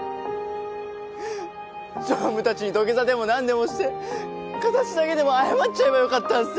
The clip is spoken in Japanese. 常務たちに土下座でもなんでもして形だけでも謝っちゃえばよかったんすよ。